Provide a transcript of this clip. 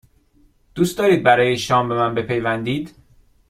دوست دارید برای شام به من بپیوندید؟